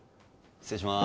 失礼します